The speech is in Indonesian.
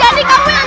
jadi kamu yang